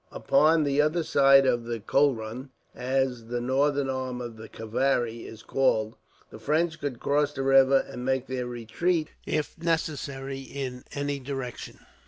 Upon the other side of the Kolrun, as the northern arm of the Kavari is called, the French could cross the river and make their retreat, if necessary, in any direction.